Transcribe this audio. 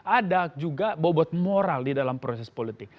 ada juga bobot moral di dalam proses politik